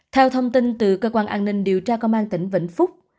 theo thông tin từ cơ quan an ninh điều tra công an tỉnh vĩnh phúc